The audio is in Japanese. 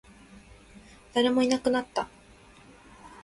誰もいなくなった